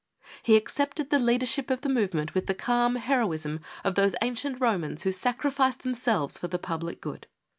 He accepted the leadership of the movement with the calm heroism of those ancient Eomans who sacrificed themselves for the public good.